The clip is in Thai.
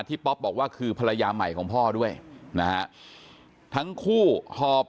ป๊อปบอกว่าคือภรรยาใหม่ของพ่อด้วยนะฮะทั้งคู่หอบ